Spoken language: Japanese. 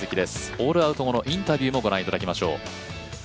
ホールアウト後のインタビューもご覧いただきましょう。